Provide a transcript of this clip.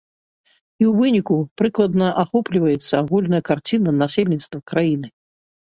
І ў выніку прыкладна ахопліваецца агульная карціна насельніцтва краіны.